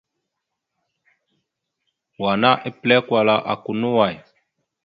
Wa ana epəlé kwala aka no way.